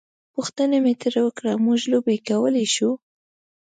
پوښتنه مې ترې وکړه: موږ لوبې کولای شو؟